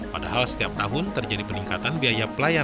padahal setiap tahun terjadi peningkatan biaya pelayanan